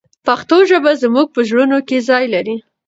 پښتو ژبه زموږ په زړونو کې ځای لري.